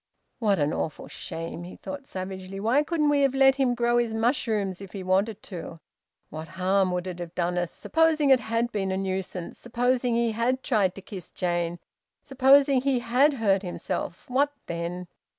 "What an awful shame!" he thought savagely. "Why couldn't we have let him grow his mushrooms if he wanted to? What harm would it have done us? Supposing it had been a nuisance, supposing he had tried to kiss Jane, supposing he had hurt himself, what then?